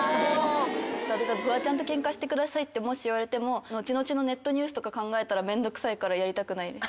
フワちゃんとケンカしてくださいってもし言われても後々のネットニュースとか考えたら面倒くさいからやりたくないです。